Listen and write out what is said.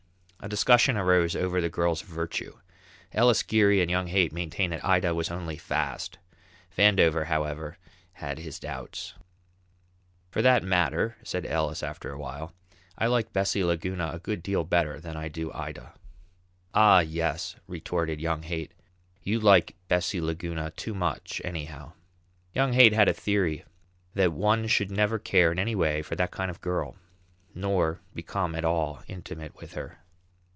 A discussion arose over the girl's virtue. Ellis, Geary, and young Haight maintained that Ida was only fast; Vandover, however, had his doubts. "For that matter," said Ellis after a while, "I like Bessie Laguna a good deal better than I do Ida." "Ah, yes," retorted young Haight, "you like Bessie Laguna too much anyhow." Young Haight had a theory that one should never care in any way for that kind of a girl nor become at all intimate with her.